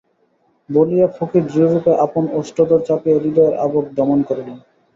বলিয়া ফকির দৃঢ়রূপে আপন ওষ্ঠাধর চাপিয়া হৃদয়ের আবেগ দমন করিলেন।